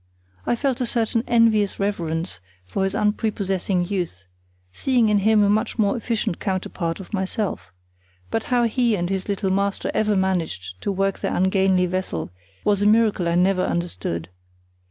I felt a certain envious reverence for this unprepossessing youth, seeing in him a much more efficient counterpart of myself; but how he and his little master ever managed to work their ungainly vessel was a miracle I never understood.